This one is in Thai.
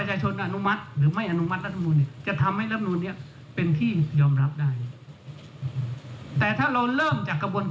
การคมครูคุกคามหรือแรงกดดันทุกรูปแบบ